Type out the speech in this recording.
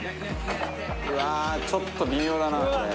「うわーちょっと微妙だなこれ」